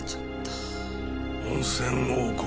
温泉王国